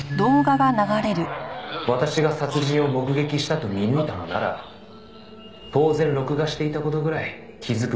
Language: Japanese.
「私が殺人を目撃したと見抜いたのなら当然録画していた事ぐらい気づくべきだったな」